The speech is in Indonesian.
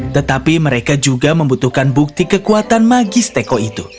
tetapi mereka juga membutuhkan bukti kekuatan magis teko itu